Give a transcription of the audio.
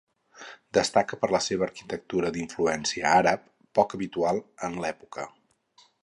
Destaca per la seva arquitectura d'influència àrab, poc habitual en l'època.